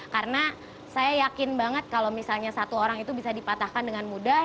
karena saya yakin banget kalau misalnya satu orang itu bisa dipatahkan dengan mudah